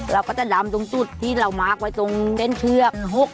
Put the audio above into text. เราก็จะดำตรงจุดที่เรามาร์คไว้ตรงเส้นเชือก